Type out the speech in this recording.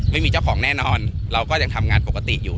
ไม่มีเจ้าของแน่นอนเราก็ยังทำงานปกติอยู่